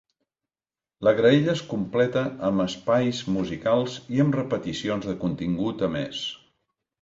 La graella es completa amb espais musicals i amb repeticions de contingut emès.